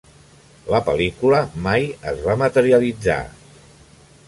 La pel·lícula mai es va materialitzar.